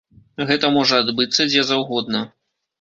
Гэта можа адбыцца дзе заўгодна.